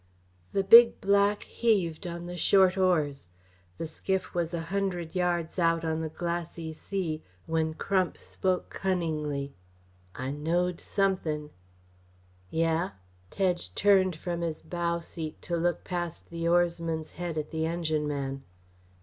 The big black heaved on the short oars. The skiff was a hundred yards out on the glassy sea when Crump spoke cunningly, "I knowed something " "Yeh?" Tedge turned from his bow seat to look past the oarsman's head at the engineman.